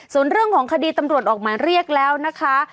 ส่วนเรื่องของคดีตำรวจออกหมายเรียกแล้วนะคะ